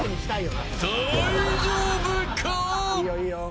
大丈夫か。